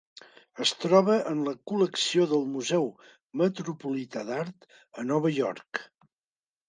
Es troba en la col·lecció del Museu Metropolità d'Art a Nova York.